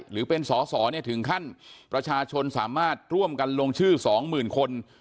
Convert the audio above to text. หรือเป็นสอสอเนี้ยถึงขั้นประชาชนสามารถร่วมกันลงชื่อสองหมื่นคน